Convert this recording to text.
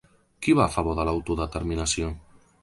Qui va a favor de l’autodeterminació?